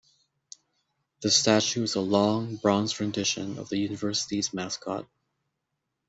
The statue is a long, bronze rendition of the University's mascot.